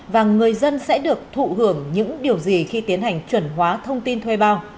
và người dân sẽ được thụ hưởng những điều gì khi tiến hành chuẩn hóa thông tin thuê bao